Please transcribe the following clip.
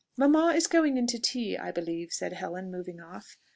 "Mamma is going into tea, I believe," said Helen, moving off.